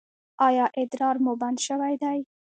ایا ادرار مو بند شوی دی؟